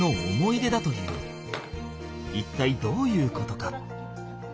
一体どういうことか？